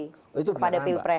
jadi kepada pew press